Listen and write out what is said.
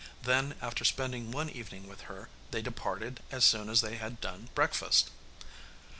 Then, after spending one evening with her, they departed as soon as they had done breakfast.